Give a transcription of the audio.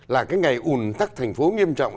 là cái ngày ủn tắc thành phố nghiêm trọng